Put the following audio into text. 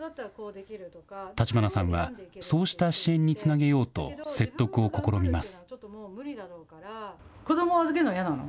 橘さんはそうした支援につなげようと、説得を試みます。